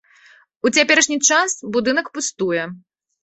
У цяперашні час будынак пустуе.